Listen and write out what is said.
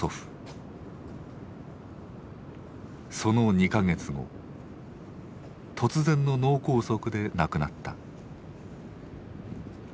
その２か月後突然の脳梗塞で亡くなった。